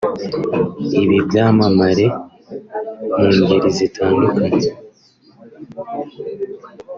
Ibi byamamare mu ngeri zitandukanye